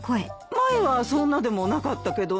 前はそんなでもなかったけどね。